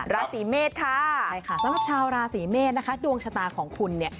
ราศีเมษค่ะใช่ค่ะสำหรับชาวราศีเมษนะคะดวงชะตาของคุณเนี่ย